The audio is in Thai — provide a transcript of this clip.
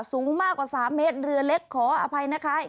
สูงมากกว่า๓เมตรเรือเล็กขออภัยนะคะ